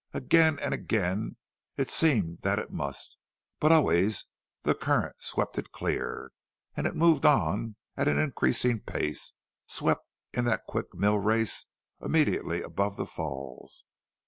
Again and again it seemed that it must, but always the current swept it clear, and it moved on at an increasing pace, swept in that quick mill race immediately above the falls.